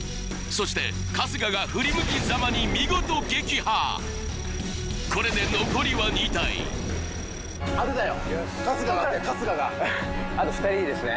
そして春日が振り向きざまに見事撃破これで残りは２体当てたよ